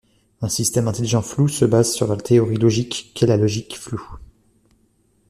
Un système intelligent flou se base sur la théorie logique qu'est la logique floue.